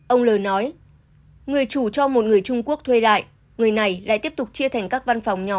ông l nói người chủ cho một người trung quốc thuê lại người này lại tiếp tục chia thành các văn phòng nhỏ